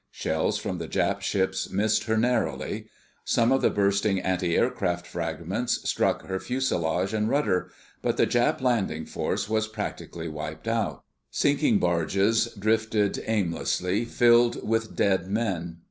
Shells from the Jap ships missed her narrowly. Some of the bursting antiaircraft fragments struck her fuselage and rudder. But the Jap landing force was practically wiped out. Sinking barges drifted aimlessly, filled with dead men.